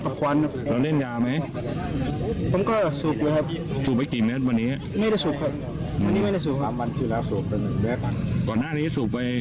เอาเลยจะมาฆ่า